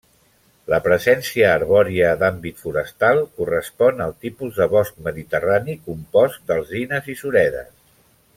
La presència arbòria d'àmbit forestal correspon al tipus de bosc mediterrani compost d'alzines i suredes.